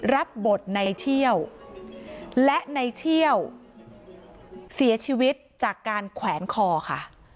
รับบทในเที่ยวและในเที่ยวเสียชีวิตจากการแขวนคอค่ะ